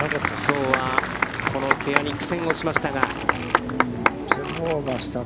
きょうはこの芥屋に苦戦をしましたが。